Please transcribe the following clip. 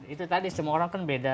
itu tadi semua orang kan beda